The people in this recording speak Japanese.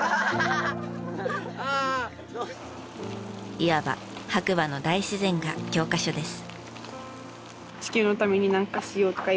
いわば白馬の大自然が教科書です。